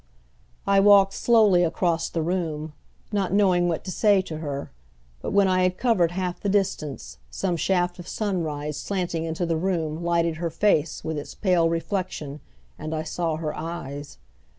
I walked slowly across the room, not knowing what to say to her, but when I had covered half the distance some shaft of sunrise slanting into the room lighted her face with its pale reflection and I saw her eyes.